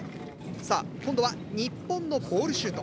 さあ今度は日本のボールシュート。